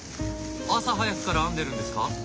朝早くから編んでるんですか？